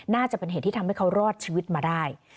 น่าจะเป็นเหตุที่ทำให้เขารอดชีวิตมาได้